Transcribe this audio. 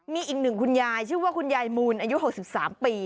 มีอีกหนึ่งคุณยายชื่อว่าคุณยายมูลอายุ๖๓ปี